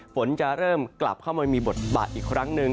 ฝนจะเริ่มกลับเข้ามามีบทบาทอีกครั้งหนึ่ง